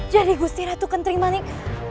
jadi gusti ratu kentrimanik